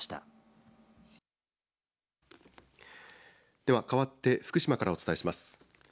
ではかわって福島からお伝えします。